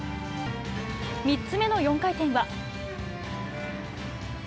３つ目の４回転は。